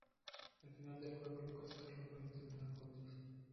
Al final del juego, Lucas y Carla pueden terminar juntos.